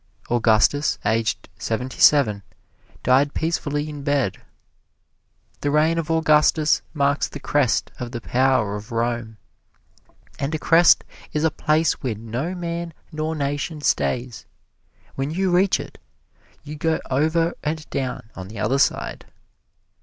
Augustus, aged seventy seven, died peacefully in bed. The reign of Augustus marks the crest of the power of Rome, and a crest is a place where no man nor nation stays when you reach it, you go over and down on the other side.